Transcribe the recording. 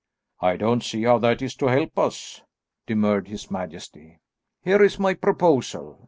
"I don't see how that is to help us," demurred his majesty. "Here is my proposal.